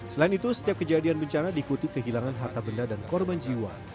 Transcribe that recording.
selain itu setiap kejadian bencana diikuti kehilangan harta benda dan korban jiwa